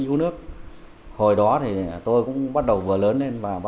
của thiền phái trúc lâm nói riêng